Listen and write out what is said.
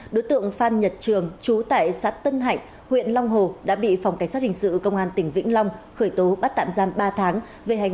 đối tượng phan nhật trường trú tại xã tân hạnh huyện long hồ đã bị phòng cảnh sát hình sự công an tỉnh vĩnh long khởi tố bắt tạm giam ba tháng